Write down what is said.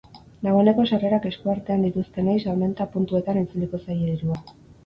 Dagoeneko sarrerak eskuartean dituztenei, salmenta puntuetan itzuliko zaie dirua.